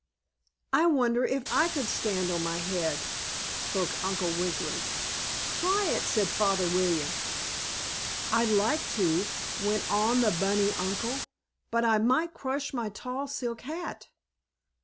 "I wonder if I could stand on my head?" spoke Uncle Wiggily. "Try it," said Father William. "I'd like to," went on the bunny uncle. "But I might crush my tall silk hat."